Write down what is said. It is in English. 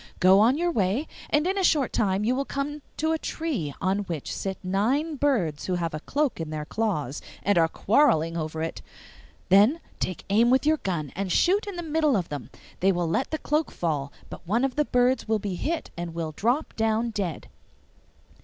Go on your way, and in a short time you will come to a tree on which sit nine birds who have a cloak in their claws and are quarrelling over it. Then take aim with your gun and shoot in the middle of them; they will let the cloak fall, but one of the birds will be hit and will drop down dead.